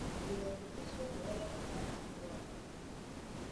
viazi lishe huweza kusagwa kuwa unga